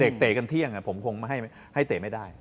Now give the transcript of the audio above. เตะกันเที่ยงผมคงให้เตะไม่ได้